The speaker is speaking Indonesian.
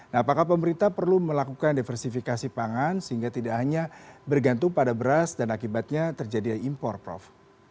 nah apakah pemerintah perlu melakukan diversifikasi pangan sehingga tidak hanya bergantung pada beras dan akibatnya terjadi impor prof